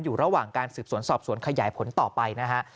อยู่ระหว่างการสืบสวนสอบสวนขยายผลต่อไปนะฮะ